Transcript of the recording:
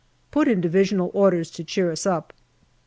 Put in divisional orders to cheer us up.